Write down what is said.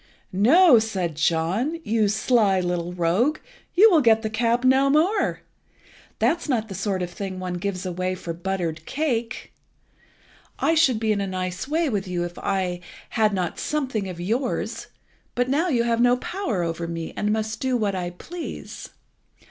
"No," said John, "you sly little rogue, you will get the cap no more. That's not the sort of thing one gives away for buttered cake. I should be in a nice way with you if I had not something of yours, but now you have no power over me, but must do what I please.